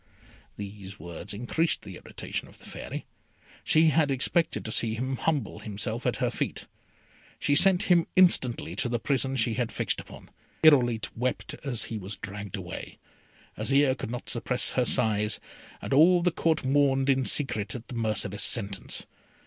These words increased the irritation of the Fairy. She had expected to see him humble himself at her feet. She sent him instantly to the prison she had fixed upon. Irolite wept as he was dragged away; Azire could not suppress her sighs, and all the Court mourned in secret the merciless sentence.